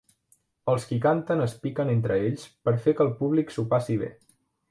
Els qui canten es piquen entre ells per fer que el públic s'ho passi bé.